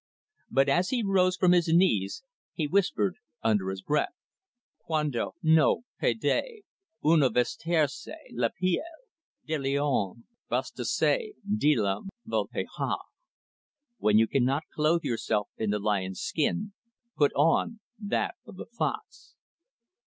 But as he rose from his knees, he whispered under his breath: "Cuando no puede uno vestirse la piel del leon, vestase de la vulpeja when you cannot clothe yourself in the lion's skin, put on that of the fox."